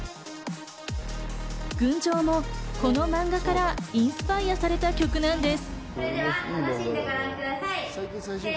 『群青』もこの漫画からインスパイアされた曲なんです。